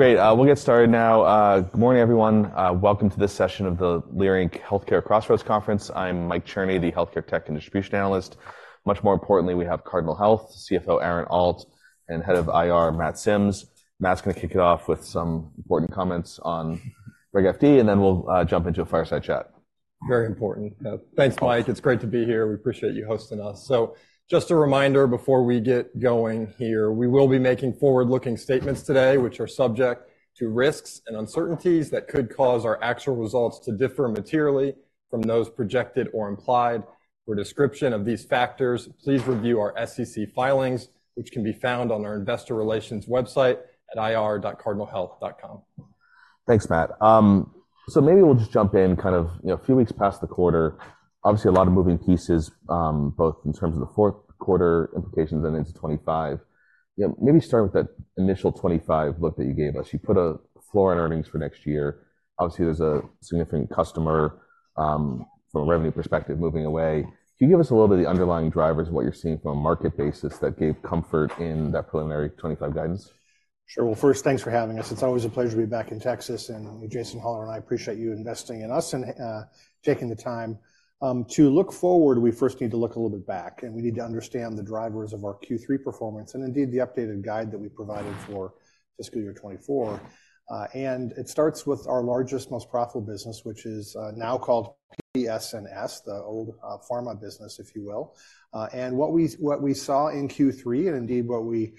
Great, we'll get started now. Good morning, everyone. Welcome to this session of the Leerink Healthcare Crossroads Conference. I'm Mike Cherny, the Healthcare Tech and Distribution Analyst. Much more importantly, we have Cardinal Health, CFO, Aaron Alt, and Head of IR, Matt Sims. Matt's gonna kick it off with some important comments on Reg FD, and then we'll jump into a fireside chat. Very important. Thanks, Mike. It's great to be here. We appreciate you hosting us. Just a reminder before we get going here, we will be making forward-looking statements today, which are subject to risks and uncertainties that could cause our actual results to differ materially from those projected or implied. For description of these factors, please review our SEC filings, which can be found on our investor relations website at ir.cardinalhealth.com. Thanks, Matt. So maybe we'll just jump in, kind of, you know, a few weeks past the quarter. Obviously, a lot of moving pieces, both in terms of the fourth quarter implications and into 2025. Yeah, maybe start with that initial 2025 look that you gave us. You put a floor on earnings for next year. Obviously, there's a significant customer, from a revenue perspective, moving away. Can you give us a little bit of the underlying drivers of what you're seeing from a market basis that gave comfort in that preliminary 2025 guidance? Sure. Well, first, thanks for having us. It's always a pleasure to be back in Texas, and Jason Hollar and I appreciate you investing in us and taking the time. To look forward, we first need to look a little bit back, and we need to understand the drivers of our Q3 performance, and indeed, the updated guide that we provided for fiscal year 2024. And it starts with our largest, most profitable business, which is now called PS&S, the old pharma business, if you will. And what we, what we saw in Q3, and indeed what we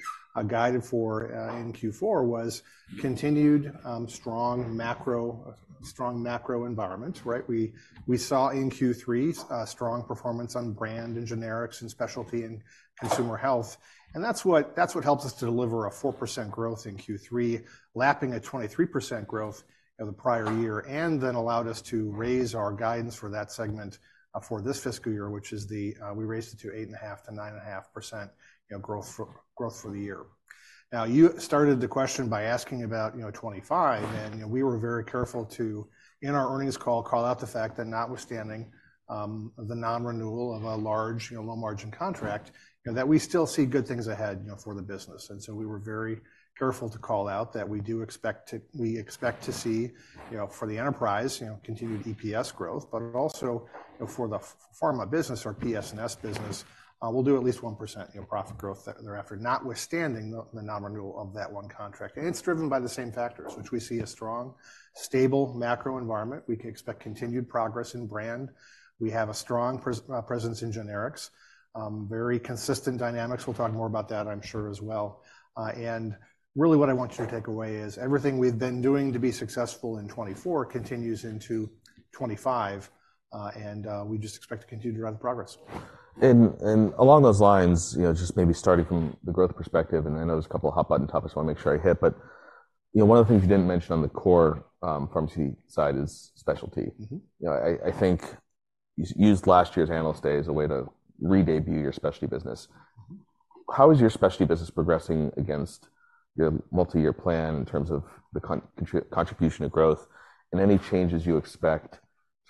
guided for in Q4, was continued strong macro, strong macro environment, right? We saw in Q3 strong performance on brand and generics and specialty and consumer health, and that's what helped us to deliver a 4% growth in Q3, lapping a 23% growth over the prior year, and then allowed us to raise our guidance for that segment for this fiscal year, which is we raised it to 8.5%-9.5%, you know, growth for the year. Now, you started the question by asking about, you know, 25, and, you know, we were very careful to, in our earnings call, call out the fact that notwithstanding the non-renewal of a large, you know, low-margin contract, you know, that we still see good things ahead, you know, for the business. And so we were very careful to call out that we expect to see, you know, for the enterprise, you know, continued EPS growth, but also, you know, for the pharma business, our PS&S business, we'll do at least 1%, you know, profit growth thereafter, notwithstanding the non-renewal of that one contract. And it's driven by the same factors, which we see a strong, stable macro environment. We can expect continued progress in brand. We have a strong presence in generics, very consistent dynamics. We'll talk more about that, I'm sure, as well. And really what I want you to take away is everything we've been doing to be successful in 2024 continues into 2025, and we just expect to continue to run the progress. And along those lines, you know, just maybe starting from the growth perspective, and I know there's a couple of hot button topics I want to make sure I hit, but, you know, one of the things you didn't mention on the core pharmacy side is specialty. Mm-hmm. You know, I think you used last year's Analyst Day as a way to re-debut your specialty business. How is your specialty business progressing against your multi-year plan in terms of the contribution of growth and any changes you expect in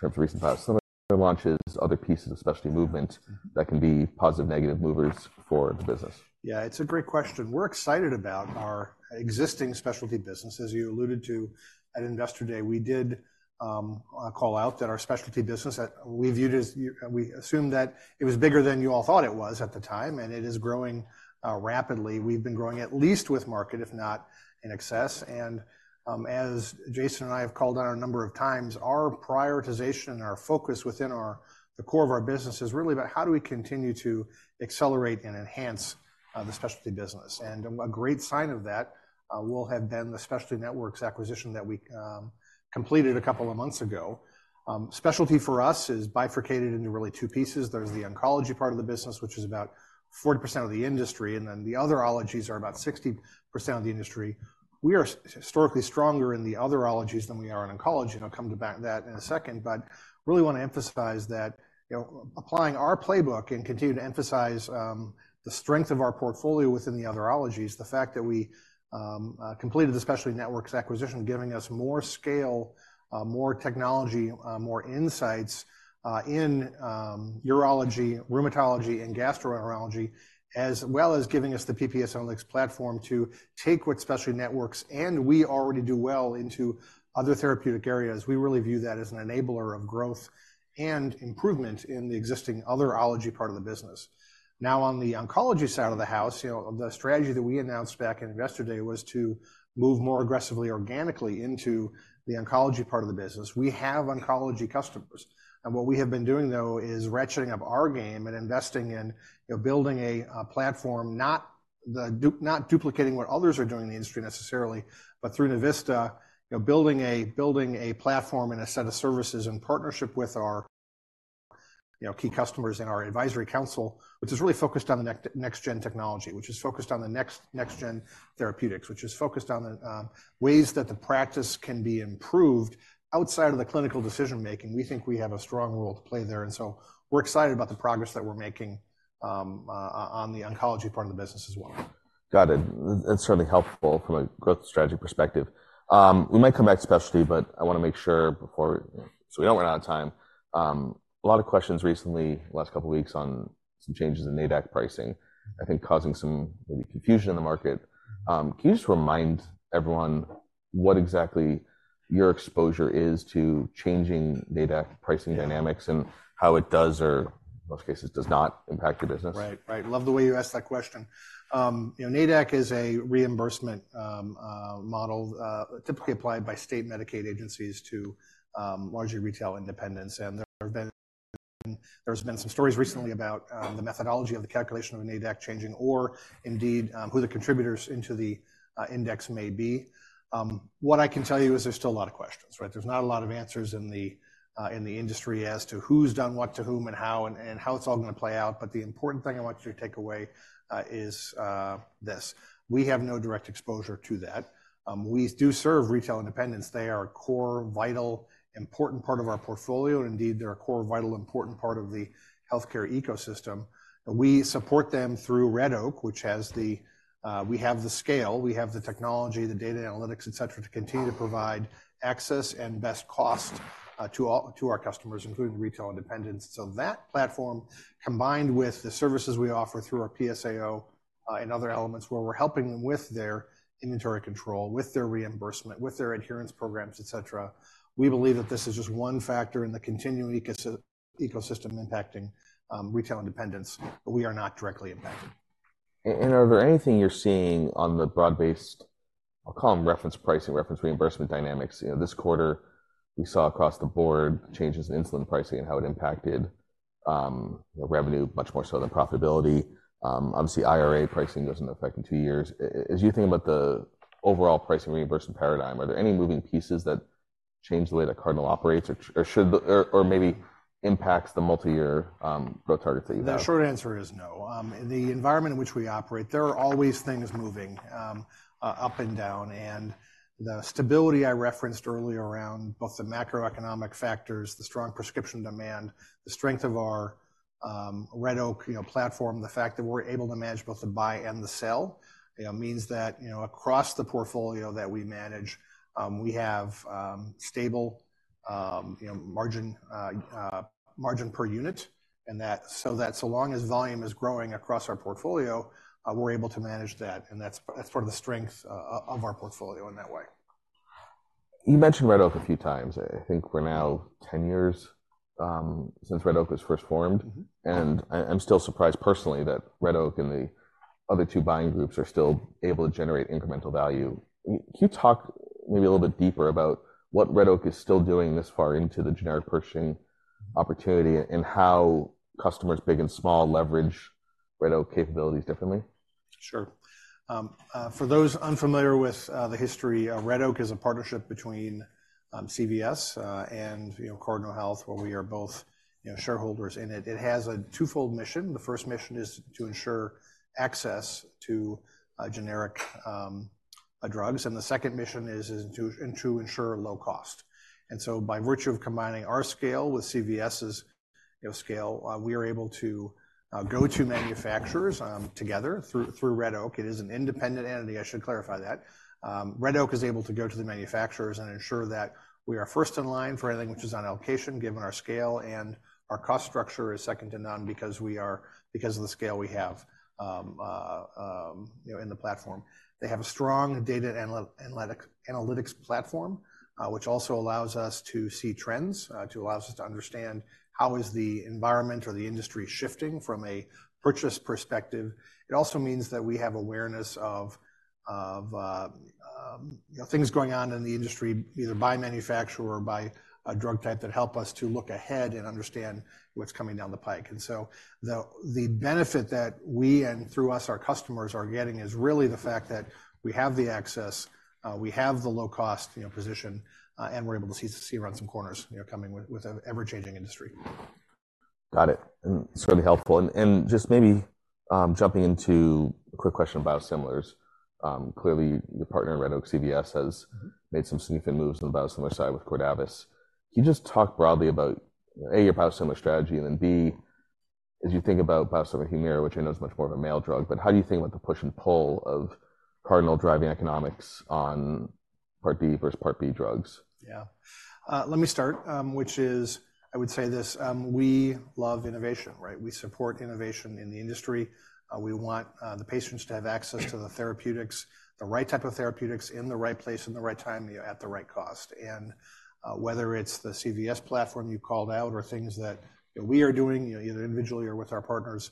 terms of recent past, some launches, other pieces of specialty movement that can be positive, negative movers for the business? Yeah, it's a great question. We're excited about our existing specialty business. As you alluded to at Investor Day, we did call out that our specialty business, that we viewed as... We assumed that it was bigger than you all thought it was at the time, and it is growing rapidly. We've been growing at least with market, if not in excess. And as Jason and I have called on a number of times, our prioritization and our focus within our, the core of our business is really about how do we continue to accelerate and enhance the specialty business? And a great sign of that will have been the Specialty Networks acquisition that we completed a couple of months ago. Specialty for us is bifurcated into really two pieces. There's the oncology part of the business, which is about 40% of the industry, and then the other ologies are about 60% of the industry. We are historically stronger in the other ologies than we are in oncology, and I'll come back to that in a second. But really want to emphasize that, you know, applying our playbook and continue to emphasize the strength of our portfolio within the other ologies, the fact that we completed the Specialty Networks acquisition, giving us more scale, more technology, more insights in urology, rheumatology, and gastroenterology, as well as giving us the PPS Analytics platform to take what Specialty Networks and we already do well into other therapeutic areas. We really view that as an enabler of growth and improvement in the existing other ology part of the business. Now, on the oncology side of the house, you know, the strategy that we announced back in Investor Day was to move more aggressively organically into the oncology part of the business. We have oncology customers, and what we have been doing, though, is ratcheting up our game and investing in, you know, building a platform, not duplicating what others are doing in the industry necessarily, but through Navista, you know, building a platform and a set of services in partnership with our, you know, key customers and our advisory council, which is really focused on the next gen technology, which is focused on the next gen therapeutics, which is focused on the ways that the practice can be improved outside of the clinical decision-making. We think we have a strong role to play there, and so we're excited about the progress that we're making, on the oncology part of the business as well. Got it. That's certainly helpful from a growth strategy perspective. We might come back to specialty, but I wanna make sure before, so we don't run out of time. A lot of questions recently, last couple of weeks, on some changes in NADAC pricing, I think causing some maybe confusion in the market... Can you just remind everyone what exactly your exposure is to changing NADAC pricing dynamics and how it does, or most cases, does not impact your business? Right, right. Love the way you asked that question. You know, NADAC is a reimbursement model typically applied by state Medicaid agencies to largely retail independents. And there have been, there's been some stories recently about the methodology of the calculation of an NADAC changing, or indeed who the contributors into the index may be. What I can tell you is there's still a lot of questions, right? There's not a lot of answers in the industry as to who's done what to whom, and how, and how it's all gonna play out. But the important thing I want you to take away is this: we have no direct exposure to that. We do serve retail independents. They are a core, vital, important part of our portfolio. Indeed, they're a core, vital, important part of the healthcare ecosystem. We support them through Red Oak, which has the, we have the scale, we have the technology, the data analytics, et cetera, to continue to provide access and best cost, to all, to our customers, including retail independents. So that platform, combined with the services we offer through our PSAO, and other elements where we're helping them with their inventory control, with their reimbursement, with their adherence programs, et cetera, we believe that this is just one factor in the continuing ecosystem impacting retail independents, but we are not directly impacted. Are there anything you're seeing on the broad-based, I'll call them reference pricing, reference reimbursement dynamics? You know, this quarter, we saw across the board changes in insulin pricing and how it impacted revenue, much more so than profitability. Obviously, IRA pricing goes into effect in two years. As you think about the overall pricing reimbursement paradigm, are there any moving pieces that change the way that Cardinal operates, or should, or maybe impacts the multi-year growth targets that you have? The short answer is no. The environment in which we operate, there are always things moving, up and down, and the stability I referenced earlier around both the macroeconomic factors, the strong prescription demand, the strength of our, Red Oak, you know, platform, the fact that we're able to manage both the buy and the sell, you know, means that, you know, across the portfolio that we manage, we have, stable, you know, margin per unit, and that. So that so long as volume is growing across our portfolio, we're able to manage that, and that's, that's part of the strength, of our portfolio in that way. You mentioned Red Oak a few times. I think we're now 10 years since Red Oak was first formed. Mm-hmm. I’m still surprised personally that Red Oak and the other two buying groups are still able to generate incremental value. Can you talk maybe a little bit deeper about what Red Oak is still doing this far into the generic purchasing opportunity, and how customers, big and small, leverage Red Oak capabilities differently? Sure. For those unfamiliar with the history, Red Oak is a partnership between CVS and, you know, Cardinal Health, where we are both, you know, shareholders in it. It has a twofold mission. The first mission is to ensure access to generic drugs, and the second mission is, is to, and to ensure low cost. And so by virtue of combining our scale with CVS's, you know, scale, we are able to go to manufacturers together through, through Red Oak. It is an independent entity, I should clarify that. Red Oak is able to go to the manufacturers and ensure that we are first in line for anything which is on allocation, given our scale, and our cost structure is second to none because we are, because of the scale we have, you know, in the platform. They have a strong data analytics platform, which also allows us to see trends, that allows us to understand how the environment or the industry shifting from a purchase perspective. It also means that we have awareness of, you know, things going on in the industry, either by manufacturer or by a drug type, that help us to look ahead and understand what's coming down the pike. And so the benefit that we, and through us, our customers are getting is really the fact that we have the access. We have the low cost, you know, position, and we're able to see around some corners, you know, coming with an ever-changing industry. Got it. And it's really helpful. And just maybe jumping into a quick question on biosimilars. Clearly, your partner in Red Oak, CVS, has made some significant moves on the biosimilar side with Cordavis. Can you just talk broadly about, A, your biosimilar strategy, and then, B, as you think about biosimilar Humira, which I know is much more of a mail drug, but how do you think about the push and pull of Cardinal driving economics on Part D versus Part B drugs? Yeah. Let me start, which is, I would say this, we love innovation, right? We support innovation in the industry. We want the patients to have access to the therapeutics, the right type of therapeutics in the right place, at the right time, you know, at the right cost. And whether it's the CVS platform you called out or things that, you know, we are doing, you know, either individually or with our partners,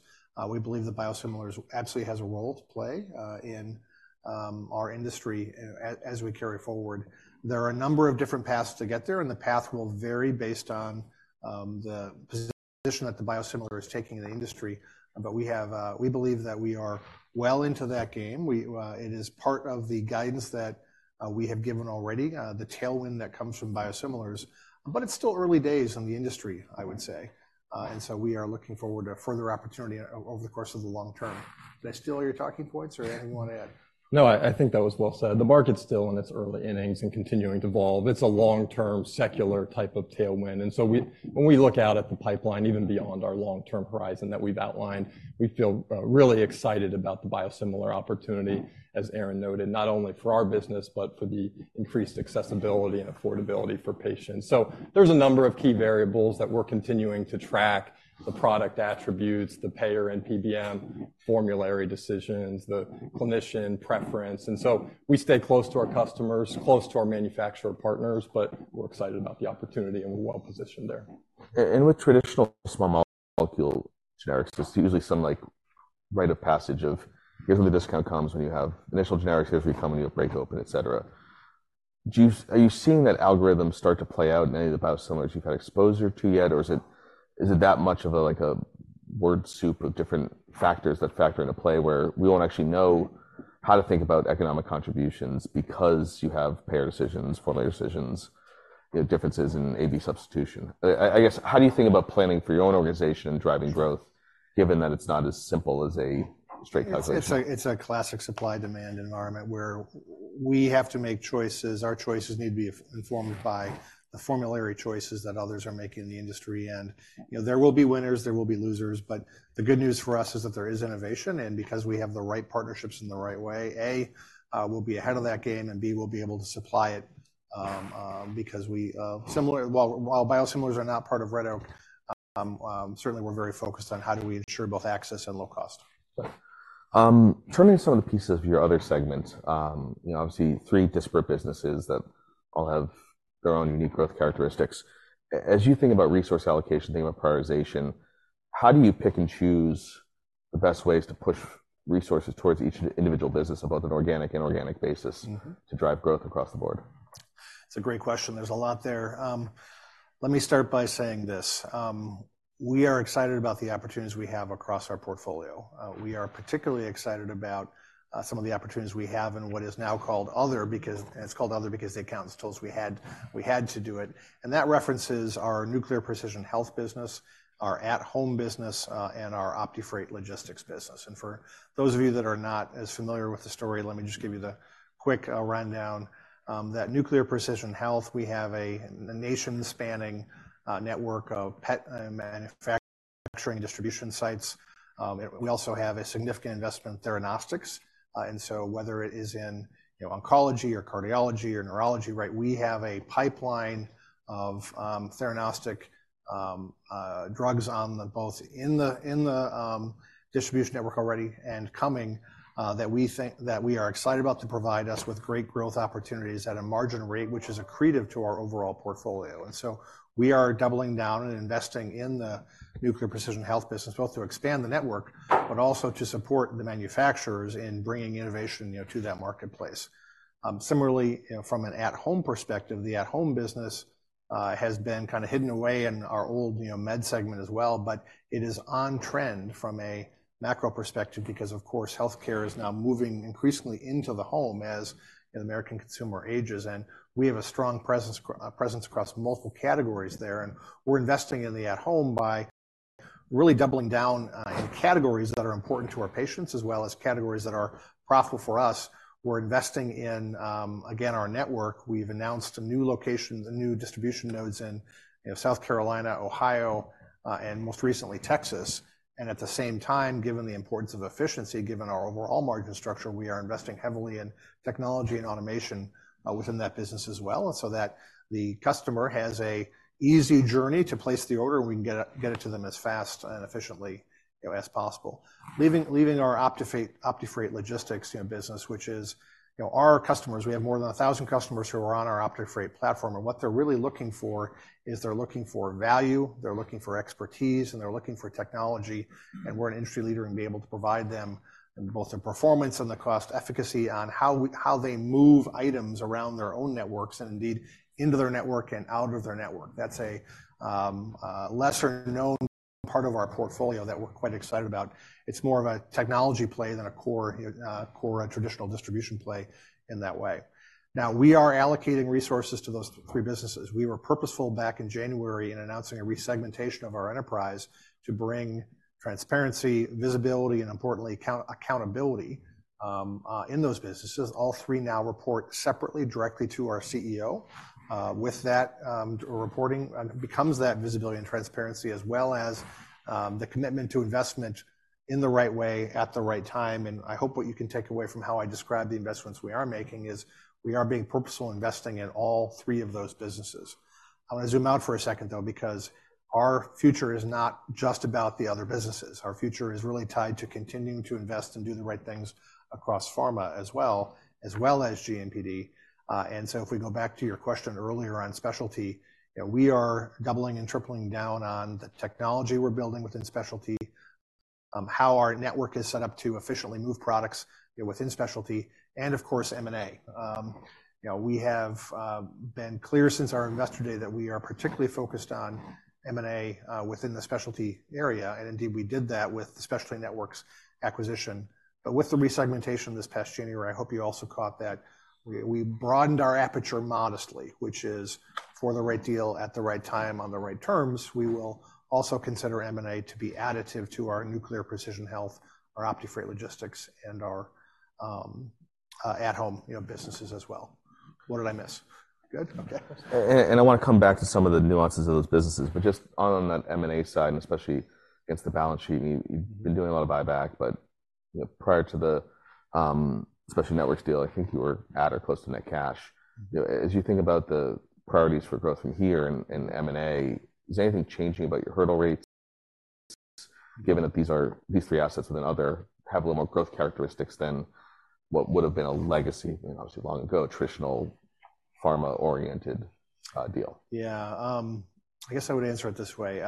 we believe that biosimilars absolutely has a role to play, in our industry as we carry forward. There are a number of different paths to get there, and the path will vary based on the position that the biosimilar is taking in the industry. But we have, we believe that we are well into that game. It is part of the guidance that we have given already, the tailwind that comes from biosimilars, but it's still early days in the industry, I would say. And so we are looking forward to further opportunity over the course of the long term. Did I steal all your talking points, or anything you want to add? No, I, I think that was well said. The market's still in its early innings and continuing to evolve. It's a long-term, secular type of tailwind. And so when we look out at the pipeline, even beyond our long-term horizon that we've outlined, we feel, really excited about the biosimilar opportunity, as Aaron noted, not only for our business, but for the increased accessibility and affordability for patients. So there's a number of key variables that we're continuing to track, the product attributes, the payer and PBM formulary decisions, the clinician preference. And so we stay close to our customers, close to our manufacturer partners, but we're excited about the opportunity, and we're well positioned there. With traditional small molecule generics, there's usually some rite of passage of usually the discount comes when you have initial generic entry come and you'll break open, et cetera. Are you seeing that algorithm start to play out in any of the biosimilars you've had exposure to yet? Or is it that much of a word soup of different factors that factor into play, where we won't actually know how to think about economic contributions because you have payer decisions, formulary decisions, differences in AB substitution? I guess, how do you think about planning for your own organization and driving growth, given that it's not as simple as a straight calculation? It's a classic supply-demand environment where we have to make choices. Our choices need to be informed by the formulary choices that others are making in the industry, and, you know, there will be winners, there will be losers. But the good news for us is that there is innovation, and because we have the right partnerships in the right way, A, we'll be ahead of that game, and B, we'll be able to supply it, because we, while biosimilars are not part of Red Oak, certainly we're very focused on how do we ensure both access and low cost. Turning to some of the pieces of your other segment, you know, obviously, three disparate businesses that all have their own unique growth characteristics. As you think about resource allocation, think about prioritization, how do you pick and choose the best ways to push resources towards each individual business on both an organic and inorganic basis- Mm-hmm. -to drive growth across the board? It's a great question. There's a lot there. Let me start by saying this: we are excited about the opportunities we have across our portfolio. We are particularly excited about some of the opportunities we have in what is now called Other because it's called Other because the accountants told us we had, we had to do it. And that references our Nuclear Precision Health business, our at-Home business, and our OptiFreight Logistics business. And for those of you that are not as familiar with the story, let me just give you the quick rundown. That Nuclear Precision Health, we have a nation-spanning network of PET and manufacturing distribution sites. We also have a significant investment in theranostics. And so whether it is in, you know, oncology or cardiology or neurology, right, we have a pipeline of theranostic drugs on both in the distribution network already and coming that we think that we are excited about to provide us with great growth opportunities at a margin rate, which is accretive to our overall portfolio. And so we are doubling down and investing in the Nuclear Precision Health business, both to expand the network, but also to support the manufacturers in bringing innovation, you know, to that marketplace. Similarly, you know, from an at-Home perspective, the at-Home business has been kind of hidden away in our old, you know, med segment as well, but it is on trend from a macro perspective because, of course, healthcare is now moving increasingly into the home as an American consumer ages, and we have a strong presence across multiple categories there, and we're investing in the at-Home by really doubling down in categories that are important to our patients, as well as categories that are profitable for us. We're investing in, again, our network. We've announced a new location, the new distribution nodes in, you know, South Carolina, Ohio, and most recently, Texas. And at the same time, given the importance of efficiency, given our overall margin structure, we are investing heavily in technology and automation within that business as well, so that the customer has a easy journey to place the order, and we can get it to them as fast and efficiently, you know, as possible. Leaving our OptiFreight Logistics, you know, business, which is, you know, our customers, we have more than 1,000 customers who are on our OptiFreight platform, and what they're really looking for is they're looking for value, they're looking for expertise, and they're looking for technology, and we're an industry leader and be able to provide them both in performance and the cost efficacy on how they move items around their own networks and indeed into their network and out of their network. That's a lesser-known part of our portfolio that we're quite excited about. It's more of a technology play than a core, a traditional distribution play in that way. Now, we are allocating resources to those three businesses. We were purposeful back in January in announcing a resegmentation of our enterprise to bring transparency, visibility, and importantly, accountability in those businesses. All three now report separately, directly to our CEO. With that reporting, and becomes that visibility and transparency, as well as, the commitment to investment in the right way at the right time. And I hope what you can take away from how I describe the investments we are making is we are being purposeful, investing in all three of those businesses. I want to zoom out for a second, though, because our future is not just about the other businesses. Our future is really tied to continuing to invest and do the right things across pharma as well, as well as GMPD. And so if we go back to your question earlier on specialty, you know, we are doubling and tripling down on the technology we're building within specialty, how our network is set up to efficiently move products, you know, within specialty, and of course, M&A. You know, we have been clear since our Investor Day that we are particularly focused on M&A, within the specialty area, and indeed, we did that with the Specialty Networks acquisition. But with the resegmentation this past January, I hope you also caught that. We broadened our aperture modestly, which is for the right deal at the right time, on the right terms, we will also consider M&A to be additive to our Nuclear Precision Health, our OptiFreight Logistics, and our at-Home, you know, businesses as well. What did I miss? Good? Okay. I want to come back to some of the nuances of those businesses, but just on that M&A side, and especially against the balance sheet, you've been doing a lot of buyback, but you know, prior to the Specialty Networks deal, I think you were at or close to net cash. You know, as you think about the priorities for growth from here and M&A, is anything changing about your hurdle rates, given that these three assets and then other have a little more growth characteristics than what would have been a legacy, you know, obviously long ago, traditional pharma-oriented deal? Yeah, I guess I would answer it this way: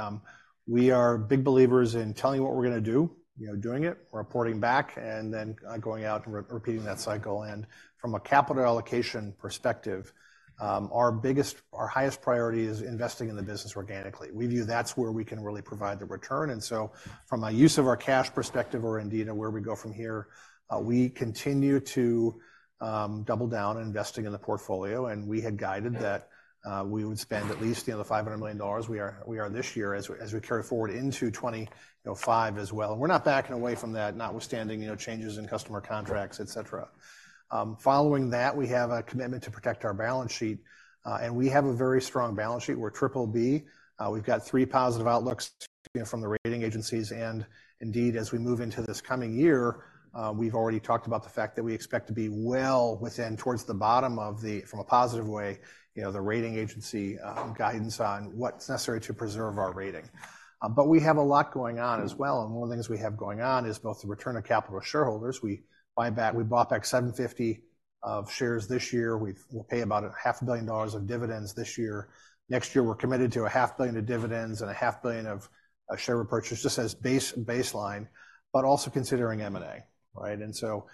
We are big believers in telling you what we're gonna do, you know, doing it, reporting back, and then going out and repeating that cycle. And from a capital allocation perspective, our biggest, our highest priority is investing in the business organically. We view that's where we can really provide the return. And so from a use of our cash perspective or indeed on where we go from here, we continue to double down on investing in the portfolio, and we had guided that we would spend at least, you know, the $500 million we are this year as we carry forward into 2025 as well. And we're not backing away from that, notwithstanding, you know, changes in customer contracts, et cetera. Following that, we have a commitment to protect our balance sheet, and we have a very strong balance sheet. We're BBB. We've got three positive outlooks from the rating agencies, and indeed, as we move into this coming year, we've already talked about the fact that we expect to be well within towards the bottom of the from a positive way, you know, the rating agency guidance on what's necessary to preserve our rating. But we have a lot going on as well, and one of the things we have going on is both the return of capital to shareholders. We bought back $750 million of shares this year. We'll pay about $500 million of dividends this year. Next year, we're committed to $500 million of dividends and $500 million of share repurchase, just as baseline, but also considering M&A, right? And so,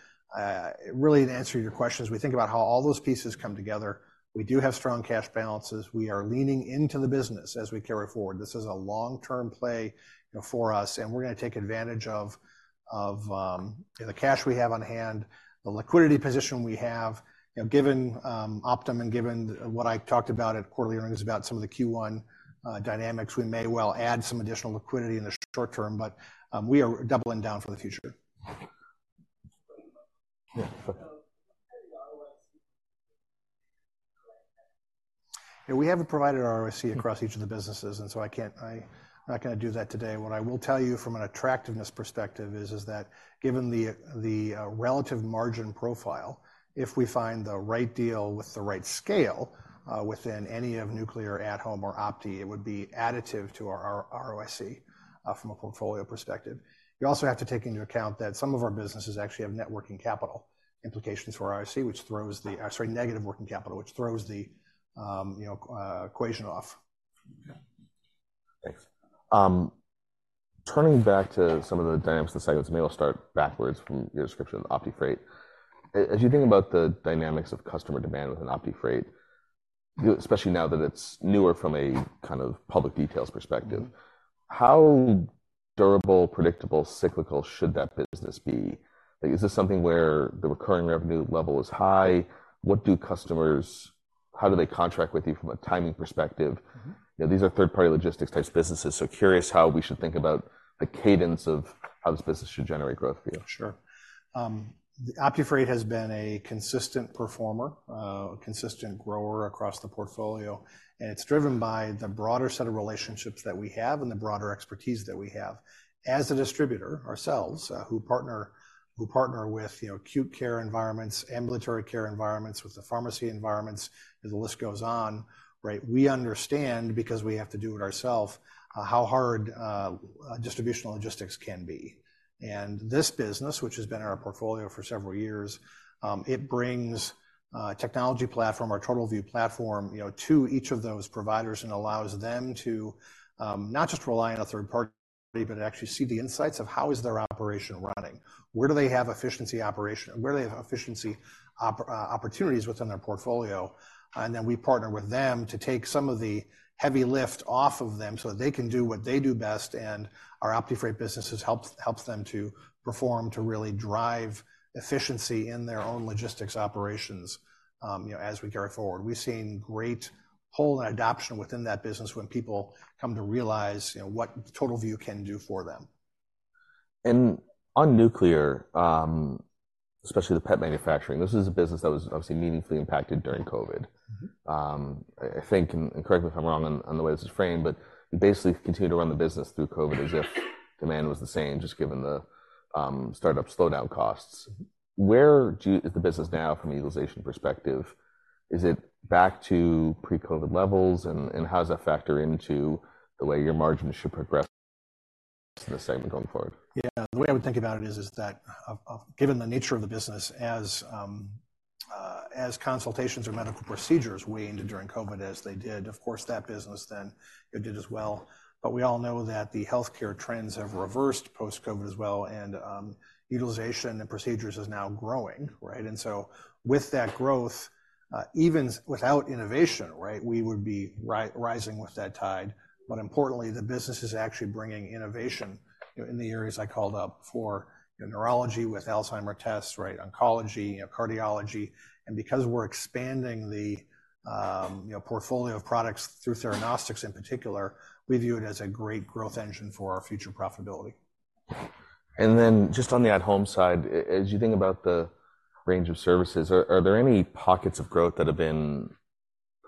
really, to answer your questions, we think about how all those pieces come together. We do have strong cash balances. We are leaning into the business as we carry forward. This is a long-term play, you know, for us, and we're gonna take advantage of the cash we have on hand, the liquidity position we have. You know, given Optum and given what I talked about at quarterly earnings, about some of the Q1 dynamics, we may well add some additional liquidity in the short term, but we are doubling down for the future. Yeah. So how did the ROC... Yeah, we haven't provided our ROC across each of the businesses, and so I can't. I'm not gonna do that today. What I will tell you from an attractiveness perspective is that given the relative margin profile, if we find the right deal with the right scale within any of Nuclear, at-Home, or Opti, it would be additive to our ROC from a portfolio perspective. You also have to take into account that some of our businesses actually have net working capital implications for ROC, which throws the... Sorry, negative working capital, which throws the equation off. Okay, thanks. Turning back to some of the dynamics of the segments, maybe I'll start backwards from your description of OptiFreight. As you think about the dynamics of customer demand within OptiFreight, especially now that it's newer from a kind of public details perspective, how durable, predictable, cyclical should that business be? Like, is this something where the recurring revenue level is high? What do customers-- how do they contract with you from a timing perspective? Mm-hmm. You know, these are third-party logistics type businesses, so curious how we should think about the cadence of how this business should generate growth for you? Sure. OptiFreight has been a consistent performer, a consistent grower across the portfolio, and it's driven by the broader set of relationships that we have and the broader expertise that we have. As a distributor ourselves, who partner with, you know, acute care environments, ambulatory care environments, with the pharmacy environments, and the list goes on, right? We understand because we have to do it ourself how hard distributional logistics can be. This business, which has been in our portfolio for several years, it brings technology platform, our TotalVue platform, you know, to each of those providers and allows them to not just rely on a third party, but actually see the insights of how is their operation running, where do they have efficiency operation, where they have efficiency opportunities within their portfolio, and then we partner with them to take some of the heavy lift off of them so that they can do what they do best, and our OptiFreight business helps them to perform, to really drive efficiency in their own logistics operations, you know, as we carry forward. We've seen great pull and adoption within that business when people come to realize, you know, what TotalVue can do for them. On Nuclear, especially the PET manufacturing, this is a business that was obviously meaningfully impacted during COVID. Mm-hmm. I think, correct me if I'm wrong on the way this is framed, but you basically continued to run the business through COVID as if demand was the same, just given the startup slowdown costs. Where is the business now from a utilization perspective? Is it back to pre-COVID levels, and how does that factor into the way your margins should progress in this segment going forward? Yeah, the way I would think about it is that of given the nature of the business, as consultations or medical procedures waned during COVID, as they did, of course, that business then it did as well. But we all know that the healthcare trends have reversed post-COVID as well, and utilization and procedures is now growing, right? And so with that growth, even without innovation, right, we would be rising with that tide. But importantly, the business is actually bringing innovation, you know, in the areas I called out before, you know, neurology with Alzheimer's tests, right, oncology, cardiology. And because we're expanding the, you know, portfolio of products through theranostics in particular, we view it as a great growth engine for our future profitability. And then just on the at-Home side, as you think about the range of services, are there any pockets of growth that have been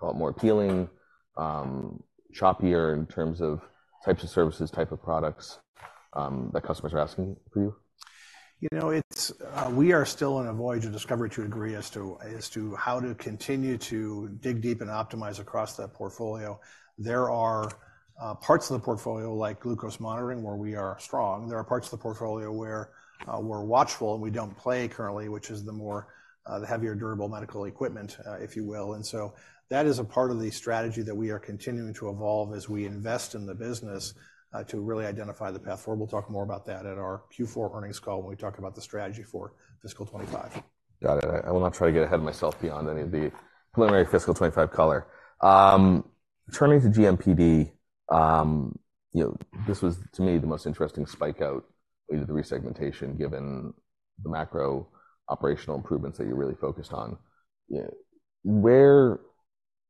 more appealing, choppier in terms of types of services, type of products that customers are asking for you? You know, it's we are still on a voyage of discovery to agree as to, as to how to continue to dig deep and optimize across that portfolio. There are parts of the portfolio, like glucose monitoring, where we are strong. There are parts of the portfolio where we're watchful and we don't play currently, which is the more the heavier durable medical equipment, if you will. And so that is a part of the strategy that we are continuing to evolve as we invest in the business to really identify the path forward. We'll talk more about that at our Q4 earnings call when we talk about the strategy for fiscal 2025. Got it. I will not try to get ahead of myself beyond any of the preliminary fiscal 2025 color. Turning to GMPD, you know, this was, to me, the most interesting spike out the resegmentation, given the macro operational improvements that you're really focused on. Yeah. Where,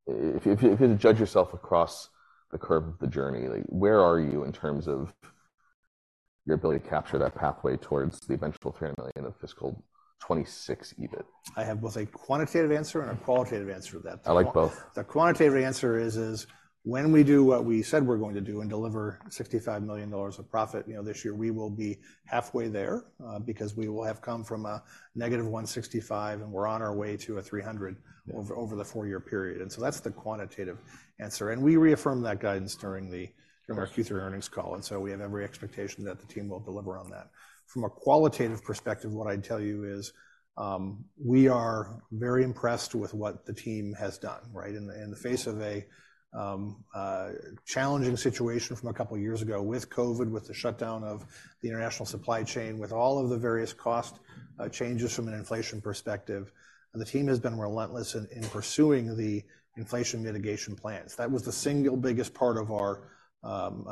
if, if you had to judge yourself across the curve of the journey, like, where are you in terms of your ability to capture that pathway towards the eventual $3 million of fiscal 2026 EBIT? I have both a quantitative answer and a qualitative answer to that. I like both. The quantitative answer is when we do what we said we're going to do and deliver $65 million of profit, you know, this year, we will be halfway there, because we will have come from a $-165 million, and we're on our way to a $300 million over the four-year period, and so that's the quantitative answer. And we reaffirmed that guidance during the- Yes... our Q3 earnings call, and so we have every expectation that the team will deliver on that. From a qualitative perspective, what I'd tell you is, we are very impressed with what the team has done, right? In the face of a challenging situation from a couple of years ago with COVID, with the shutdown of the international supply chain, with all of the various cost changes from an inflation perspective, and the team has been relentless in pursuing the inflation mitigation plans. That was the single biggest part of our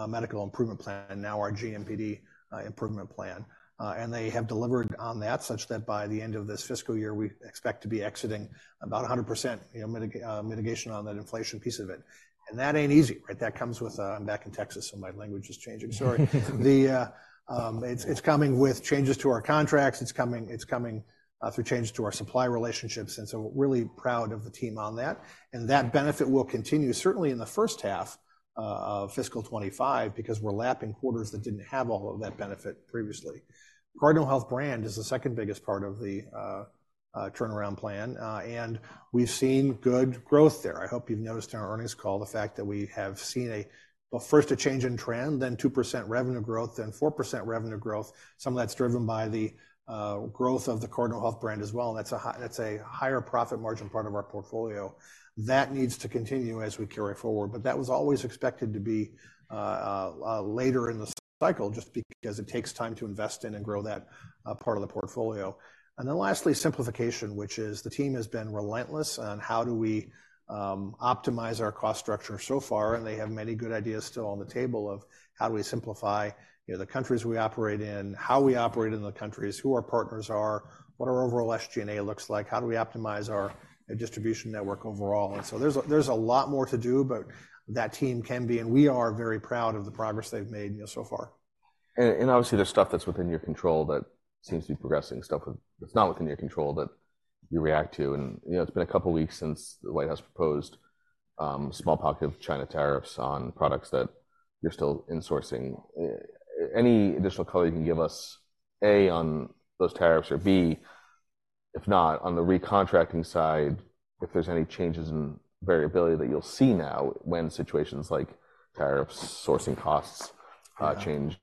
medical improvement plan and now our GMPD improvement plan. And they have delivered on that such that by the end of this fiscal year, we expect to be exiting about 100%, you know, mitigation on that inflation piece of it. And that ain't easy, right? That comes with, I'm back in Texas, so my language is changing. Sorry. It's coming with changes to our contracts, it's coming through changes to our supply relationships, and so we're really proud of the team on that. And that benefit will continue, certainly in the first half of fiscal 25, because we're lapping quarters that didn't have all of that benefit previously. Cardinal Health brand is the second biggest part of the turnaround plan, and we've seen good growth there. I hope you've noticed in our earnings call the fact that we have seen a, well, first a change in trend, then 2% revenue growth, then 4% revenue growth. Some of that's driven by the growth of the Cardinal Health brand as well, and that's a higher profit margin part of our portfolio. That needs to continue as we carry forward, but that was always expected to be later in the cycle just because it takes time to invest in and grow that part of the portfolio. And then lastly, simplification, which is the team has been relentless on how do we optimize our cost structure so far, and they have many good ideas still on the table of how do we simplify, you know, the countries we operate in, how we operate in the countries, who our partners are, what our overall SG&A looks like, how do we optimize our distribution network overall? There's a lot more to do, but that team can be, and we are very proud of the progress they've made, you know, so far. Obviously, there's stuff that's within your control that seems to be progressing, stuff that's not within your control that you react to. And, you know, it's been a couple of weeks since the White House proposed small pocket of China tariffs on products that you're still insourcing. Any additional color you can give us, A, on those tariffs, or B, if not, on the recontracting side, if there's any changes in variability that you'll see now when situations like tariffs, sourcing costs, change-?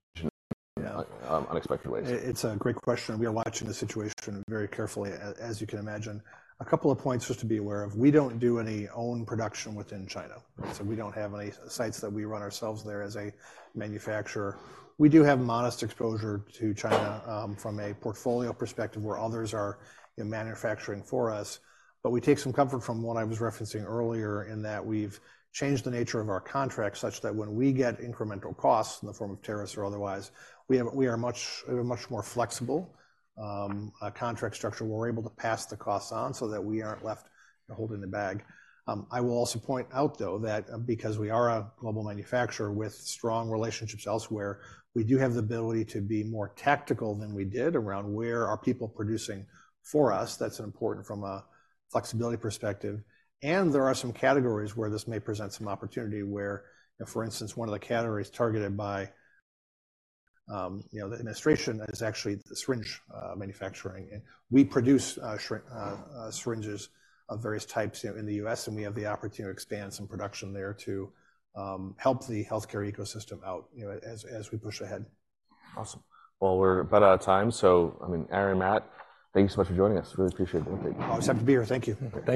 Yeah... unexpected ways. It's a great question, and we are watching the situation very carefully, as you can imagine. A couple of points just to be aware of: We don't do any own production within China. Right. So we don't have any sites that we run ourselves there as a manufacturer. We do have modest exposure to China, from a portfolio perspective, where others are in manufacturing for us. But we take some comfort from what I was referencing earlier in that we've changed the nature of our contracts such that when we get incremental costs in the form of tariffs or otherwise, we are much, much more flexible contract structure, we're able to pass the costs on so that we aren't left holding the bag. I will also point out, though, that because we are a global manufacturer with strong relationships elsewhere, we do have the ability to be more tactical than we did around where are people producing for us. That's important from a flexibility perspective, and there are some categories where this may present some opportunity where, for instance, one of the categories targeted by, you know, the administration is actually the syringe manufacturing. And we produce syringes of various types, you know, in the U.S., and we have the opportunity to expand some production there to help the healthcare ecosystem out, you know, as we push ahead. Awesome. Well, we're about out of time, so I mean, Aaron, Matt, thank you so much for joining us. Really appreciate it. Always happy to be here. Thank you. Thank you.